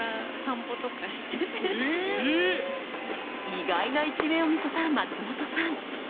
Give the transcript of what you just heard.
意外な一面を見せた松本さん。